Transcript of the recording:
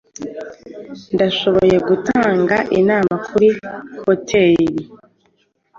Ndashoboye gutanga inama kuri hoteli